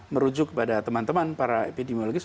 merujuk kepada teman teman para epidemiologis